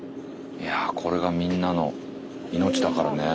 いやこれがみんなの命だからね。